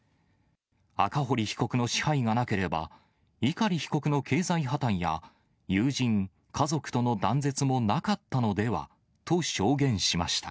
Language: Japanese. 赤堀被告の支配がなければ、碇被告の経済破綻や、友人、家族との断絶もなかったのではと証言しました。